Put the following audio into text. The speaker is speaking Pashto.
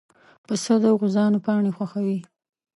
پسه د غوزانو پاڼې خوښوي.